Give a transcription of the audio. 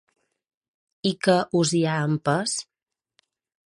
I què us hi ha empès?